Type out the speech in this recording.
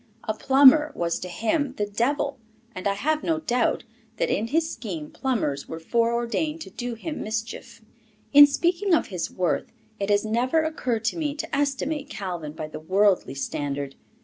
A plumber was to him the devil, and I have no doubt that, in his scheme, plumbers were foreordained to do him mischief. In speaking of his worth, it has never occurred to me to estimate Calvin by the worldly standard.